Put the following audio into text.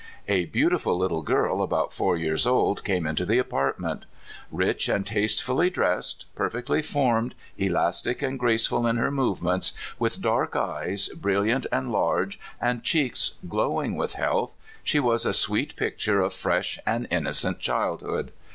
A beau tiful little girl about four years old came into the apartment. Richly and tastefully dressed, perfect ly formed, elastic and graceful in her movements, with dark eyes, brilliant and large, and cheeks glowing with health, she was a sweet picture of fresh and innocent childhood.